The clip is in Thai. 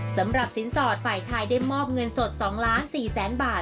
สำหรับสินสอดฝ่ายชายได้มอบเงินสด๒๔๐๐๐บาท